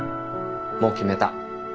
もう決めた。